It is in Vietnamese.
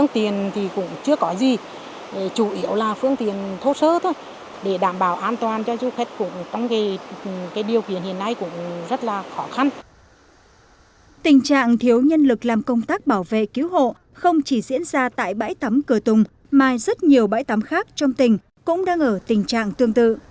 tình trạng thiếu nhân lực làm công tác bảo vệ cứu hộ không chỉ diễn ra tại bãi tắm cửa tùng mà rất nhiều bãi tắm khác trong tỉnh cũng đang ở tình trạng tương tự